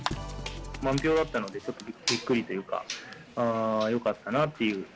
満票だったのでちょっとびっくりというか、よかったなっていう。